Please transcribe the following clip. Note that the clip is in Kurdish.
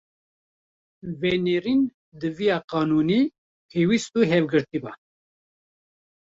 venêrîn diviya “qanûnî”, pêwîst û hevgirtî” ba;